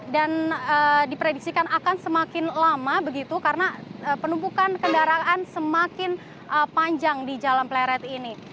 dan diprediksikan akan semakin lama begitu karena penumpukan kendaraan semakin panjang di jalan pleret ini